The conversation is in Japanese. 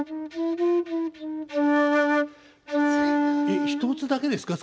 えっ１つだけですか？